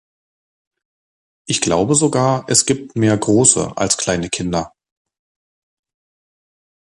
Ich glaube sogar es gibt mehr große als kleine Kinder.